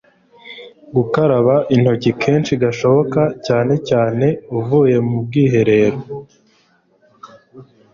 gukaraba intoki kenshi gashoboka cyane cyane uvuye mu bwiherero